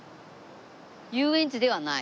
遊園地ではない？